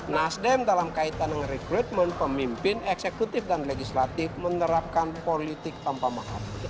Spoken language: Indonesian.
nasdem dalam kaitan dengan rekrutmen pemimpin eksekutif dan legislatif menerapkan politik tanpa maaf